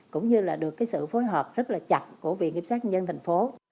cũng như được sự phối hợp rất chặt của viện kiểm sát nhân dân thành phố